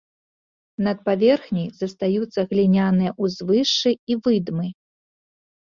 Над паверхняй застаюцца гліняныя ўзвышшы і выдмы.